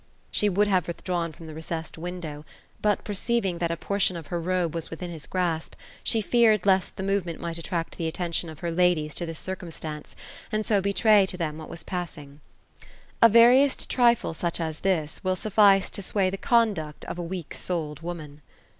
She would have withdrawn from the recessed window ; but perceiving that a portion of her robe was within his grasp, she feared lest the movement might attract the attention of her ladies to this circumstance, and so be tray to them what was passing. A vei'iest trifle, such as this, will suffice to sway the conduct of a weak souled woman.